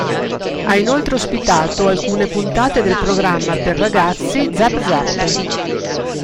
Ha inoltre ospitato alcune puntate del programma per ragazzi "Zap Zap".